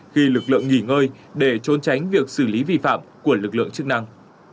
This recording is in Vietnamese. khi lực lượng nghỉ ngơi để trôn tránh việc xử lý vi phạm của lực lượng chức năng